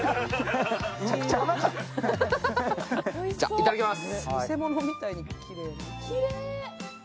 いただきます。